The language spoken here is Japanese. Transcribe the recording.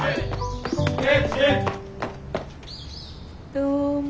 どうも。